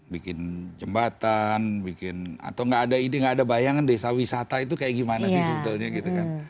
bikin jembatan bikin atau nggak ada ide nggak ada bayangan desa wisata itu kayak gimana sih sebetulnya gitu kan